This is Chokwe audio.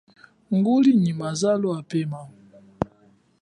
Nguli nyi mazalo apema.